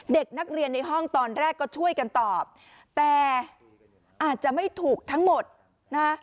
เด็กนักเรียนในห้องตอนแรกก็ช่วยกันตอบแต่อาจจะไม่ถูกทั้งหมดนะฮะ